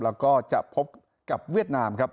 แล้วก็จะพบกับเวียดนามครับ